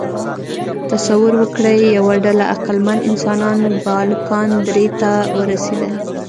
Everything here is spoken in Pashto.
تصور وکړئ، یوه ډله عقلمن انسانان بالکان درې ته ورسېدل.